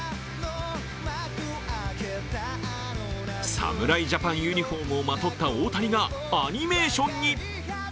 侍ジャパンユニフォームをまとった大谷がアニメーションに。